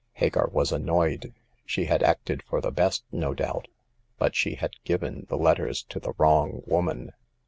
Hagar was annoyed. She had acted for the best, no doubt ; but she had given the letters to the wrong woman.